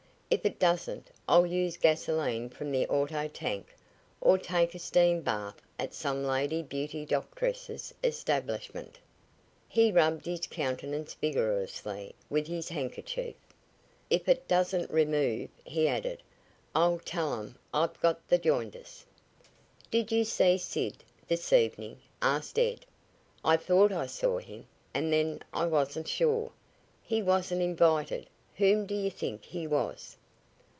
If it doesn't I'll use gasolene from the auto tank, or take a steam bath at some lady beauty doctress's establishment." He rubbed his countenance vigorously with his handkerchief. "If it doesn't remove," he added, "I'll tell 'em I've got the jaundice." "Did you see Sid this evening?" asked Ed. "I thought I saw him, and then I wasn't sure. He wasn't invited. Whom do you think he was?"